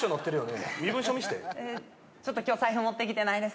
え、今日、ちょっと財布持ってきてないです。